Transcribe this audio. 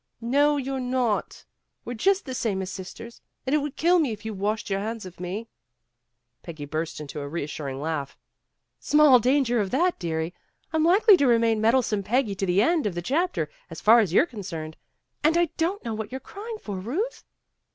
"No, you're not. We're just the same as sisters. And it would kill me if you washed your hands of me." Peggy burst into a reassuring laugh. '' Small 138 PEGGY RAYMOND'S WAY danger of that, dearie. I'm likely to remain Meddlesome Peggy to the end of the chapter, as far as you 're concerned. And I don 't know what you're crying for, Euth."